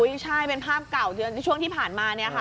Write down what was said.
ใช่เป็นภาพเก่าช่วงที่ผ่านมาเนี่ยค่ะ